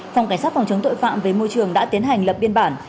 phòng cảnh sát phòng chống tội phạm về môi trường đã tiến hành lập biên bản